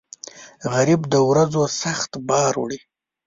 غریب د ورځو سخت بار وړي